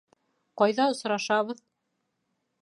Ҡайҙа осрашабыҙ?